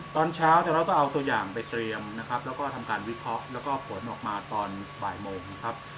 ตอนเช้าแต่เราก็เอาตัวอย่างไปเตรียมนะครับแล้วก็ทำการวิเคราะห์แล้วก็ผลออกมาตอนบ่ายโมงนะครับ